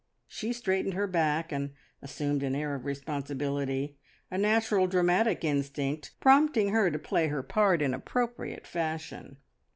She straightened her back and assumed an air of responsibility, a natural dramatic instinct prompting her to play her part in appropriate fashion.